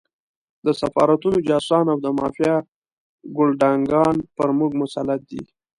د سفارتونو جاسوسان او د مافیا ګُلډانګان پر موږ مسلط دي.